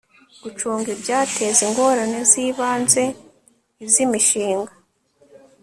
gucunga ibyateza ingorane z ibanze iz imishinga